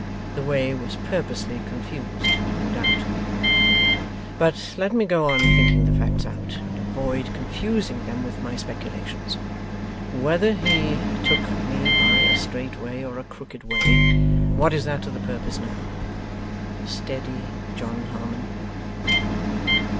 The way was purposely confused, no doubt. 'But let me go on thinking the facts out, and avoid confusing them with my speculations. Whether he took me by a straight way or a crooked way, what is that to the purpose now? Steady, John Harmon.